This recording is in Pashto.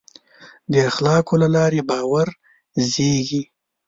د اخلاقو له لارې باور زېږي.